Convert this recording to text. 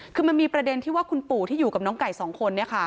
คือมันมีประเด็นที่ว่าคุณปู่ที่อยู่กับน้องไก่สองคน